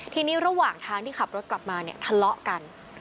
ทีนี้ระหว่างทางที่ขับรถกลับมาเนี่ยทะเลาะกัน